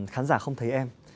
khán giả không thấy em